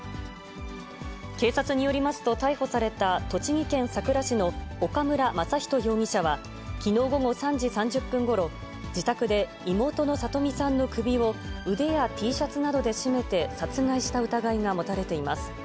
警察によりますと、逮捕された栃木県さくら市の岡村真仁容疑者は、きのう午後３時３０分ごろ、自宅で妹の聡美さんの首を腕やＴシャツなどで絞めて殺害した疑いが持たれています。